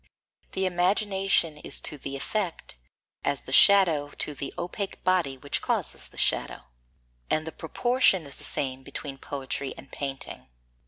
The imagination is to the effect as the shadow to the opaque body which causes the shadow, and the proportion is the same between poetry and painting.